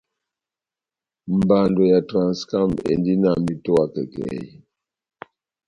Mbando ya Transcam endi na metowa kɛkɛhi.